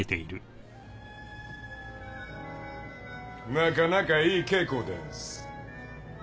なかなかいい傾向です。